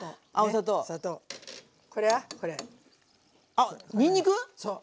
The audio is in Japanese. あっにんにく⁉そう。